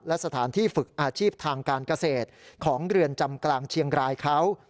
และสถานที่ฝึกอาชีพทางการเกษตรของเรือนจำกลางเชียงรายเขา